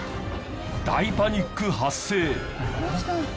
大パニック発生。